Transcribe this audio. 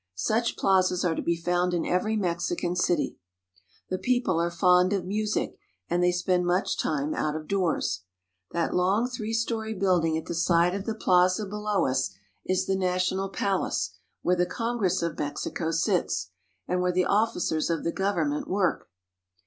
Such plazas are to be found in every Mexican city. The people are fond of music, and they spend much time out of doors. That long three story building at the THE CAPITAL CITY. 339 side of the plaza below us is the National Palace, where the Congress of Mexico sits, and where the officers of the government work.